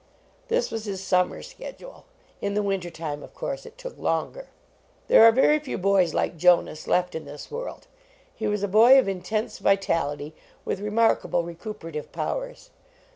This was his summer schedule. In the winter time, of course, it took longer. There are very few boys like Jonas left in this world. He was a boy of intense vitality, with remarkable recuperative powers.